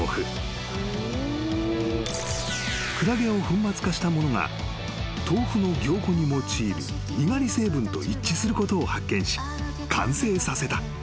［クラゲを粉末化したものが豆腐の凝固に用いるにがり成分と一致することを発見し完成させた］